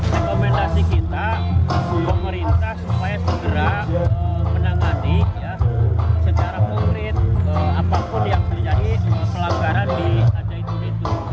rekomendasi kita pemerintah supaya segera menangani secara konkret apapun yang terjadi pelanggaran di al zaitun itu